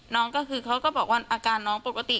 น้องก็คือเขาก็บอกว่าอาการน้องปกติ